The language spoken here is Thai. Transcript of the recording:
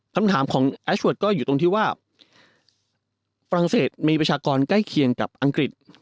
คำถามของแอสเวิร์ดก็อยู่ตรงที่ว่าฝรั่งเศสมีประชากรใกล้เคียงกับอังกฤษ